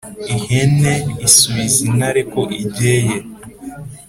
“ihenee isubiza intare ko ijyeye